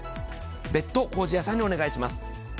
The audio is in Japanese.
ベット工事屋さんにお願いします。